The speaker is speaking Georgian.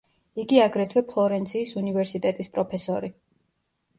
იყო აგრეთვე ფლორენციის უნივერსიტეტის პროფესორი.